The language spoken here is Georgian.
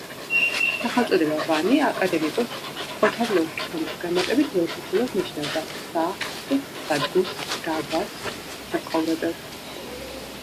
სახელწოდება „ვანი“ აკადემიკოს ოთარ ლორთქიფანიძის განმარტებით, ძველ ქართულად ნიშნავდა „სახლს“, „სადგურს“, „დაბას“, „საცხოვრებელს“.